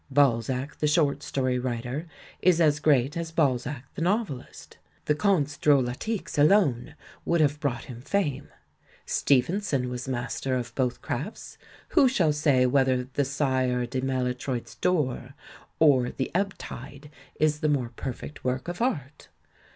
Ealzac the short story writer is as great as Balzac the novelist. The Contes Dro INTRODUCTION xi latiques alone would have brought him fame. Stevenson was master of both crafts. Who shall say whether The Sire de MaUtroifs Door or The Ebb Tide is the more perfect work of art?